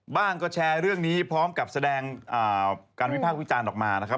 ก็แชร์เรื่องนี้พร้อมกับแสดงการวิพากษ์วิจารณ์ออกมานะครับ